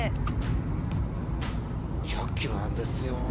２００キロなんですよ。